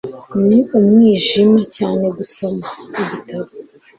Ni umwijima cyane gusoma igitabo.